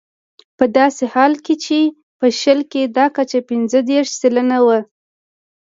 په داسې حال کې چې په شل کې دا کچه پنځه دېرش سلنه وه.